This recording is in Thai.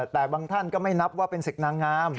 แต่บางท่านก็ไม่นับว่าเป็นศึกนางงาม